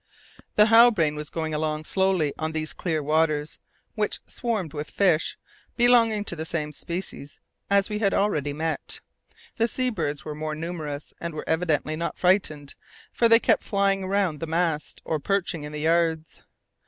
The Halbrane was going along slowly on these clear waters, which swarmed with fish belonging to the same species as we had already met. The sea birds were more numerous, and were evidently not frightened; for they kept flying round the mast, or perching in the yards.